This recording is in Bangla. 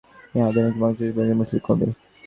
তিনি আধুনিক বাংলাসাহিত্যের প্রথম মুসলিম কবি।